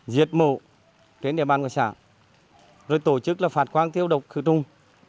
diệt mộ đến địa bàn của xã rồi tổ chức là phạt quang tiêu độc khử trung